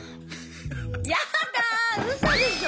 やだうそでしょ！